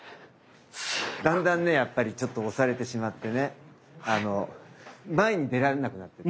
だんだんねやっぱりちょっと押されてしまってね前に出られなくなって。